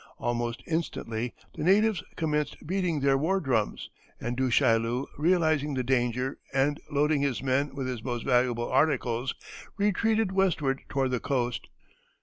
Almost instantly the natives commenced beating their war drums, and Du Chaillu, realizing the danger and loading his men with his most valuable articles, retreated westward toward the coast.